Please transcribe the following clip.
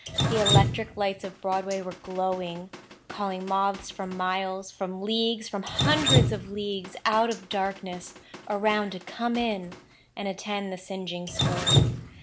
The electric lights of Broadway were glowing—calling moths from miles, from leagues, from hundreds of leagues out of darkness around to come in and attend the singeing school.